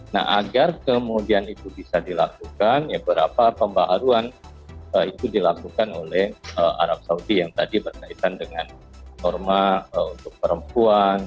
nah agar kemudian itu bisa dilakukan ya beberapa pembaharuan itu dilakukan oleh arab saudi yang tadi berkaitan dengan norma untuk perempuan